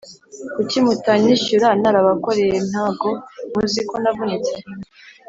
Kuki mutanyishyura narabakoreye ntago muziko navunitse